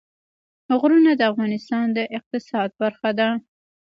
غرونه د افغانستان د اقتصاد برخه ده.